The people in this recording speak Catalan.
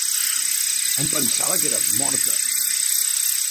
Em pensava que eres morta!